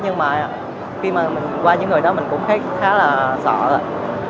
nhưng mà khi mà mình qua những người đó mình cũng thấy khá là sợ rồi